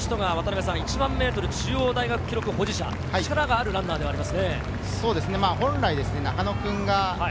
この人が１００００ｍの中央大学記録保持者、力があるランナーではありますね。